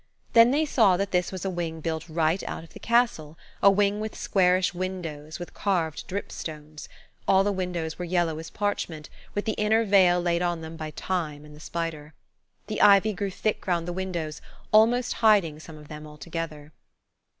Then they saw that this was a wing built right out of the castle–a wing with squarish windows, with carved dripstones. All the windows were yellow as parchment, with the inner veil laid on them by Time and the spider. The ivy grew thick round the windows, almost hiding some of them altogether.